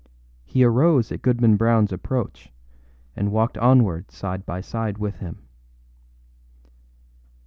He arose at Goodman Brownâs approach and walked onward side by side with him.